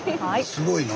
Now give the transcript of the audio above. すごいな。